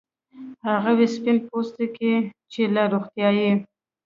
هغو سپین پوستکو کې چې له روغتیايي